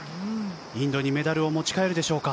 インドにメダルを持ち帰るでしょうか。